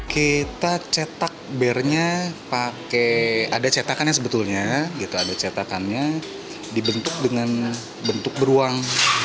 kita cetak beernya ada cetakannya sebetulnya dibentuk dengan bentuk beruang